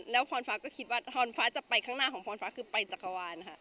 แล้วพรฟ้าก็คิดว่าทอนฟ้าจะไปข้างหน้าของพรฟ้าคือไปจักรวาลค่ะ